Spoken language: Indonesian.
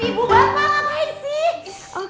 ibu bapak ngapain sih